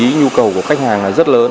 cái nhu cầu của khách hàng là rất lớn